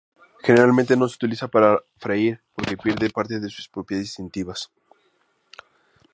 Generalmente no se utiliza para freír porque pierde parte de sus propiedades distintivas.